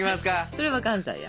それは関西や。